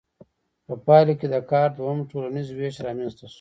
په پایله کې د کار دویم ټولنیز ویش رامنځته شو.